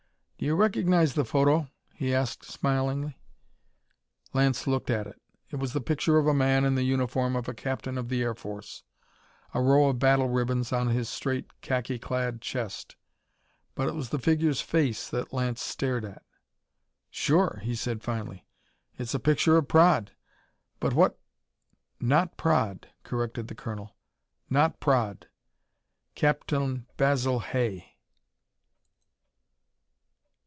"Do you recognize the photo?" he asked smilingly. Lance looked at it. It was the picture of a man in the uniform of a captain of the Air Force, a row of battle ribbons on his straight, khaki clad chest. But it was the figure's face that Lance stared at. "Sure," he said finally. "It's a picture of Praed. But what " "Not Praed," corrected the colonel. "Not Praed. Captain Basil Hay."